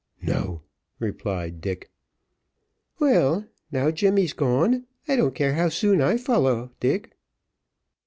"No," replied Dick. "Well, now Jemmy's gone, I don't care how soon I follow, Dick."